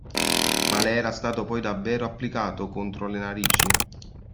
Ma le era stato poi davvero applicato contro le narici?